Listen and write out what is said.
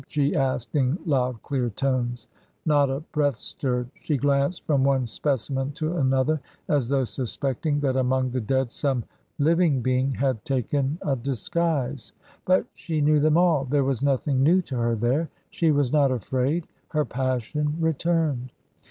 she asked in loud clear tones. Not a breath stirred. She glanced from one specimen to another, as though suspecting that among the dead some living being had taken a disguise. But she knew them all. There was nothing new to her there. She was not afraid. Her passion returned.